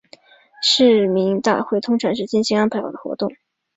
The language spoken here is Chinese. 市民大会通常是精心安排好的活动。